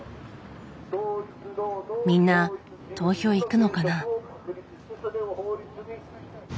みんな投票行くのかな。